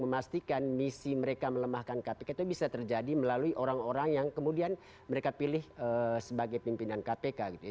memastikan misi mereka melemahkan kpk itu bisa terjadi melalui orang orang yang kemudian mereka pilih sebagai pimpinan kpk gitu ya